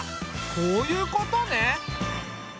こういうことね。